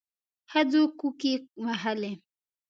ښځو کوکي وهلې.